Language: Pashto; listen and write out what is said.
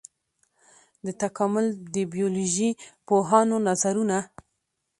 د تکامل د بيولوژي پوهانو نظرونه.